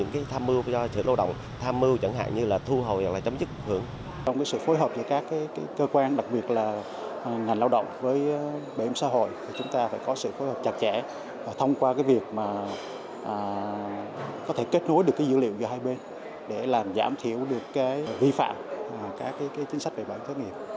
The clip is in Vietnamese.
để giảm thiểu được vi phạm các chính sách về bảo hiểm thất nghiệp